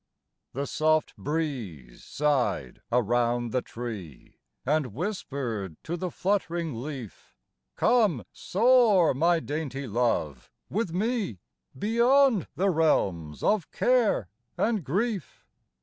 The soft breeze sighed around the. tree, And whispered to the flutt'ring leaf : Come, soar, my dainty love, with me, Beyond the realms of care and grief.